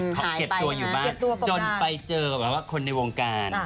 มันมาหายไปเก็บตัวอยู่บ้างจนไปเจอโดยคุณในวงการ